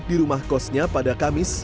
di rumah kosnya pada kamis